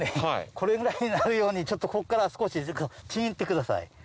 これぐらいになるようにこっから少しちぎってください。